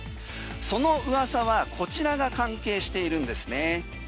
その噂はこちらが関係しているんですね。